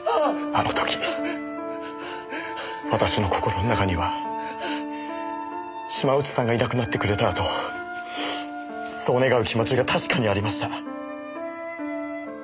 あの時私の心の中には島内さんがいなくなってくれたらとそう願う気持ちが確かにありました。